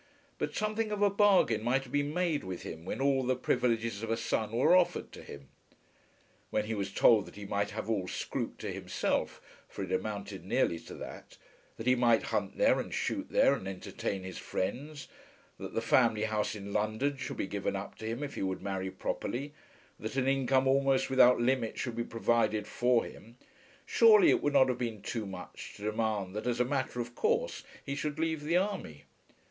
But something of a bargain might have been made with him when all the privileges of a son were offered to him. When he was told that he might have all Scroope to himself, for it amounted nearly to that; that he might hunt there and shoot there and entertain his friends; that the family house in London should be given up to him if he would marry properly; that an income almost without limit should be provided for him, surely it would not have been too much to demand that as a matter of course he should leave the army!